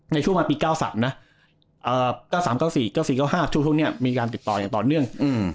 ในช่วงมาปี๙๓นะ๙๓๙๔๙๔๙๕ช่วงนี้มีการติดต่ออย่างต่อเนื่อง